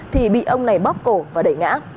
thì bị ông này bóp cổ và đẩy ngã